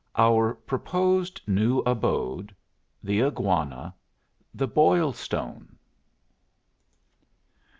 OUR PROr OSED NEW ABODE. — THE IGUANA. — THE BOIL STONE.